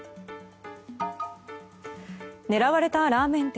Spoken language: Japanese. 狙われたラーメン店。